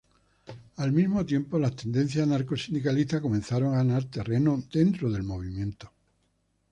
Al mismo tiempo, las tendencias anarcosindicalistas comenzaron a ganar terreno dentro del movimiento.